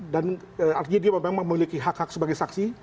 dan artinya dia memang memiliki hak hak sebagai saksi